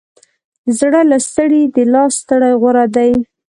د زړه له ستړې، د لاس ستړې غوره ده.